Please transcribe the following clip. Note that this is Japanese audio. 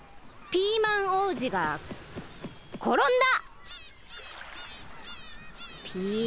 ピーマン王子がころんだ！